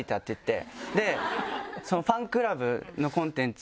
ファンクラブのコンテンツ。